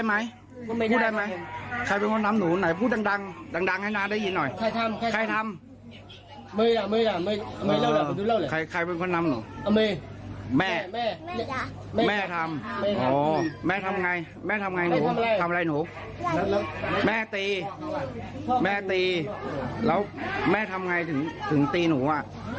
แม่ทำแม่ทำไงแม่ทำไงหนูทำอะไรหนูแล้วแม่ตีแม่ตีแล้วแม่ทำไงถึงตีหนูอ่ะ